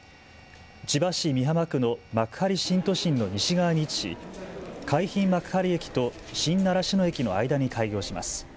千葉市美浜区の幕張新都心の西側に位置し海浜幕張駅と新習志野駅の間に開業します。